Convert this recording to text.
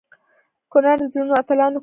کنړ د زړورو اتلانو کور دی.